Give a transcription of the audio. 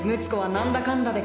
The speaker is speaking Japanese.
なんだかんだで